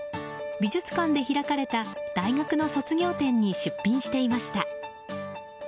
美術館で開かれた大学の卒業展に出品していました。